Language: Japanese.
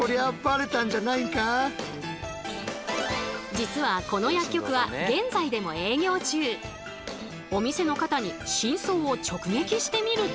実はこの薬局はお店の方に真相を直撃してみると。